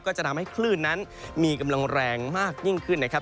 ก็จะทำให้คลื่นนั้นมีกำลังแรงมากยิ่งขึ้นนะครับ